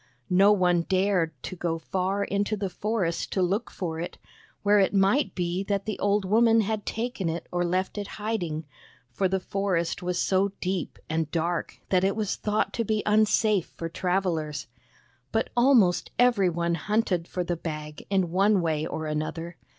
No one dared 107 THE BAG OF SMILES to go far into the forest to look for it, where it might be that the old woman had taken it or left it hiding, for the forest was so deep and dark that it was thought to be unsafe for travelers. But almost every one hunted for the Bag in one way or another.